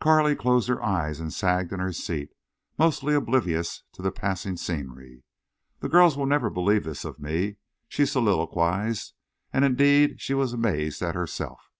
Carley closed her eyes and sagged in her seat, mostly oblivious to the passing scenery. "The girls will never believe this of me," she soliloquized. And indeed she was amazed at herself.